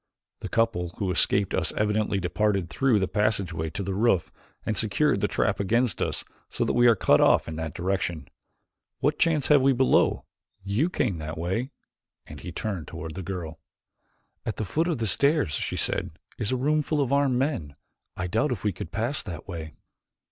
The couple who escaped us evidently departed through the passageway to the roof and secured the trap against us so that we are cut off in that direction. What chance have we below? You came that way," and he turned toward the girl. "At the foot of the stairs," she said, "is a room full of armed men. I doubt if we could pass that way."